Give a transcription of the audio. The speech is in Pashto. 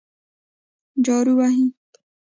جارو وهي.